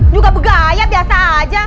juga begaya biasa aja